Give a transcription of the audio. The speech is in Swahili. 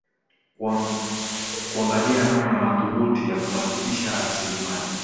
kuangalia namna mathubuti ya kuhakikisha rasilimali